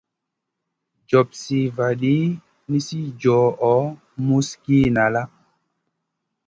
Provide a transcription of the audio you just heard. Jopsiy vaɗi, nisi johʼo musgi nala.